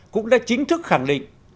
cũng đã chính thức khẳng định